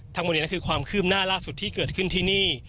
ทั้งหมดนี้คือความคืบหน้าล่าสุดที่เกิดขึ้นที่นี่